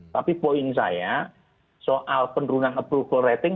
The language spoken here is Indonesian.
tapi poin saya soal penurunan approval rating